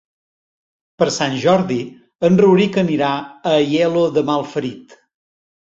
Per Sant Jordi en Rauric anirà a Aielo de Malferit.